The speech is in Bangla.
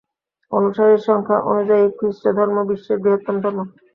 অনুসারীর সংখ্যা অনুযায়ী খ্রিস্টধর্ম বিশ্বের বৃহত্তম ধর্ম।